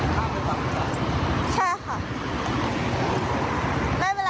ข้ามไปกว่าหรือเปล่าค่ะใช่ค่ะ